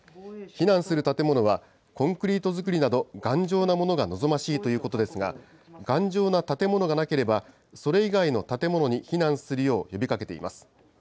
避難する建物は、コンクリート造りなど、頑丈なものが望ましいということですが、頑丈な建物がなければ、それ以外の建物に避難するよう呼びかけています。